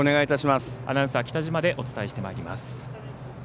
アナウンサー、北嶋でお伝えしてまいります。